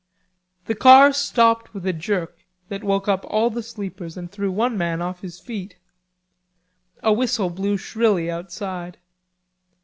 The car stopped with a jerk that woke up all the sleepers and threw one man off his feet. A whistle blew shrilly outside.